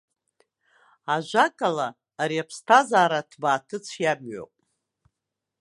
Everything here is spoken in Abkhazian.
Ажәакала, ари аԥсҭазаара ҭбааҭыцә иамҩоуп.